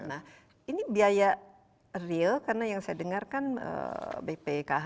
nah ini biaya real karena yang saya dengar kan bpkh